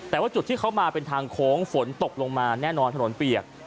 แต่ว่าจุดที่เขามาเป็นทางโค้งฝนตกลงมาแน่นอนถนนเปียก